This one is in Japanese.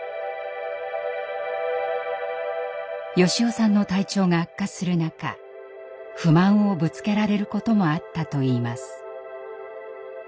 良雄さんの体調が悪化する中不満をぶつけられることもあったといいます。